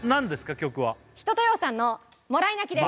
曲は一青窈さんの「もらい泣き」です